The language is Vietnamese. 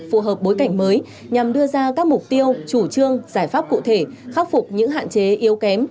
phù hợp bối cảnh mới nhằm đưa ra các mục tiêu chủ trương giải pháp cụ thể khắc phục những hạn chế yếu kém